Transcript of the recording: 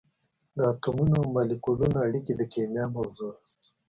د اتمونو او مالیکولونو اړیکې د کېمیا موضوع ده.